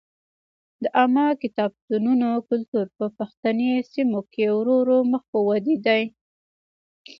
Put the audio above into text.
د عامه کتابتونونو کلتور په پښتني سیمو کې ورو ورو مخ په ودې دی.